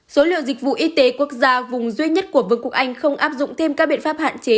số liệu dịch vụ y tế quốc gia vùng duy nhất của vương quốc anh không áp dụng thêm các biện pháp hạn chế